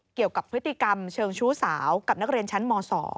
เกี่ยวกับพฤติกรรมเชิงชู้สาวกับนักเรียนชั้นม๒